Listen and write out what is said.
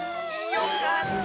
よかった！